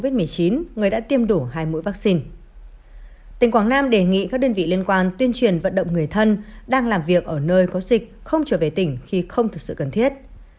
tỉnh quảng nam đề nghị các đơn vị liên quan tuyên truyền vận động người thân đang làm việc ở nơi có dịch không trở về tỉnh khi không thực sự cần thiết